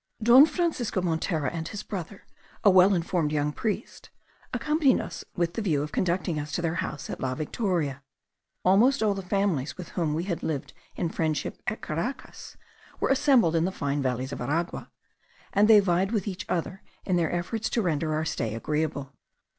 Don Francisco Montera and his brother, a well informed young priest, accompanied us with the view of conducting us to their house at La Victoria. Almost all the families with whom we had lived in friendship at Caracas were assembled in the fine valleys of Aragua, and they vied with each other in their efforts to render our stay agreeable.